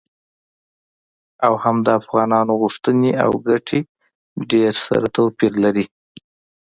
او هم د افغانانو غوښتنې او ګټې ډیر سره توپیر لري.